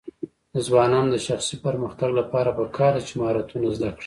د ځوانانو د شخصي پرمختګ لپاره پکار ده چې مهارتونه زده کړي.